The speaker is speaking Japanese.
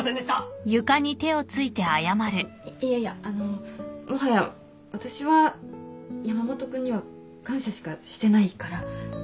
あっいやいやあのもはや私は山本君には感謝しかしてないから。